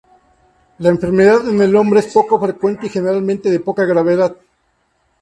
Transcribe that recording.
La enfermedad en el hombre es poco frecuente y generalmente de poca gravedad.